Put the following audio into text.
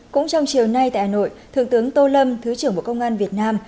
cũng trong chiều nay tại hà nội thượng tướng tô lâm thứ trưởng bộ công an việt nam